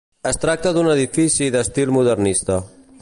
Es tracta d'un edifici d'estil modernista.